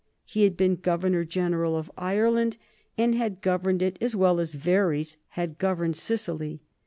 He had been Governor General of Ireland, and had governed it as well as Verres had governed Sicily.